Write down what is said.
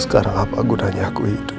sekarang apa gunanya aku itu